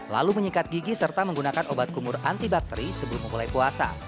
lalu menyikat gigi serta menggunakan obat kumur antibakteri sebelum memulai puasa